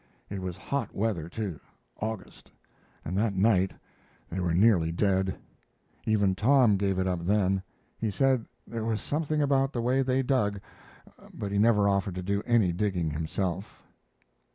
It was hot weather too, August, and that night they were nearly dead. Even Tom gave it up, then. He said there was something about the way they dug, but he never offered to do any digging himself.